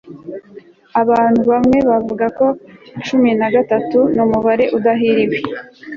abantu bamwe bavuga ko cumi na gatatu numubare udahiriwe